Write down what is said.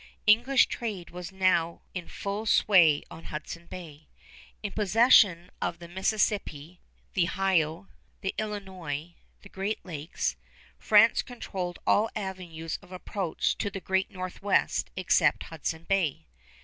English trade was now in full sway on Hudson Bay. In possession of the Mississippi, the Ohio, the Illinois, the Great Lakes, France controlled all avenues of approach to the Great Northwest except Hudson Bay.